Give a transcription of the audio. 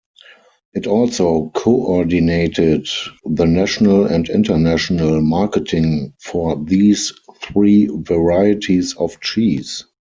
It also coordinated the national and international marketing for these three varieties of cheese.